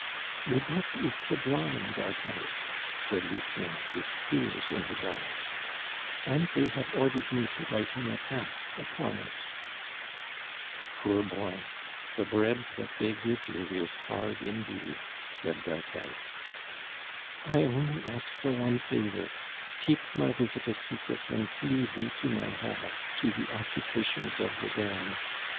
"Your book is sublime, d'Arthez," said Lucien, with tears in his eyes, "and they have ordered me to write an attack upon it." "Poor boy! the bread that they give you is hard indeed!" said d'Arthez "I only ask for one favor, keep my visit a secret and leave me to my hell, to the occupations of the damned.